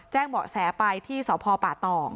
แจ้งเบาะแสไปที่สพต